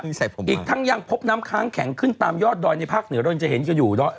ใส่ผมอีกทั้งยังพบน้ำค้างแข็งขึ้นตามยอดดอยในภาคเหนือเราจะเห็นกันอยู่ด้วย